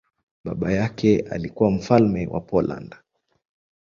Baba yake alikuwa mfalme wa Poland.